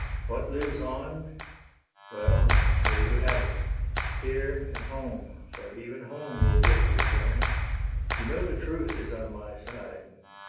What lives on —'' Well, here you have it : here at home — For even home will yet return. You know the truth is on my side.